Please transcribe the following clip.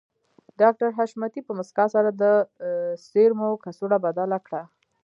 ډاکټر حشمتي په مسکا سره د سيرومو کڅوړه بدله کړه